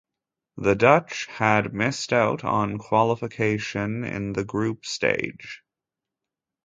The Dutch missed out on qualification in the group stage.